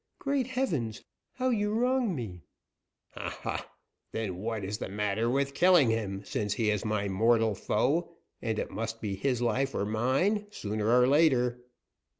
Great heavens! how you wrong me!" "Ha! ha! Then what is the matter with killing him, since he is my mortal foe, and it must be his life or mine sooner or later?"